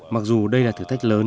mặc dù đây là thử thách lớn